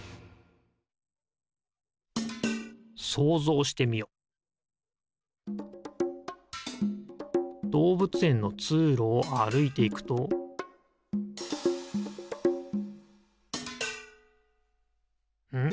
いじょうどうぶつえんのつうろをあるいていくとん？